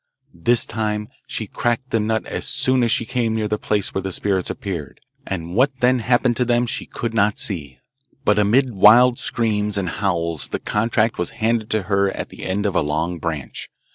This time she cracked the nut as soon as she came near the place where the spirits appeared, and what then happened to them she could not see, but amid wild screams and howls the contract was handed to her at the end of a long branch.